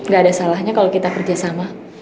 gak ada salahnya kalau kita kerjasama